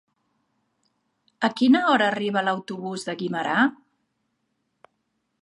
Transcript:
A quina hora arriba l'autobús de Guimerà?